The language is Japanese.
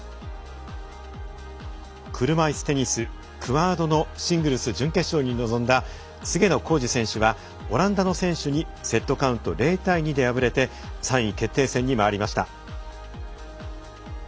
車いすテニスクアードのシングルス準決勝に臨んだ菅野浩二選手はオランダの選手にセットカウント０対２で敗れて３位決定戦にまわりました。